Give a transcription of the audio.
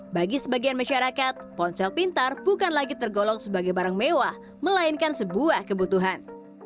bagi sebagian masyarakat ponsel pintar bukan lagi tergolong sebagai barang mewah melainkan sebuah kebutuhan